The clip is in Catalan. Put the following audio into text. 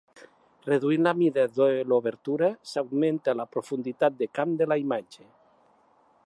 Reduint la mida de l'obertura s'augmenta la profunditat de camp de la imatge.